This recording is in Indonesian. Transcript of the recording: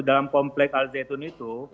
dalam komplek al zaitun itu